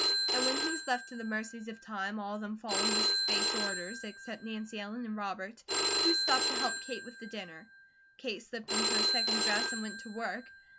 And when he was left to the mercies of time, all of them followed Mrs. Bates' orders, except Nancy Ellen and Robert, who stopped to help Kate with the dinner. Kate slipped into her second dress and went to work.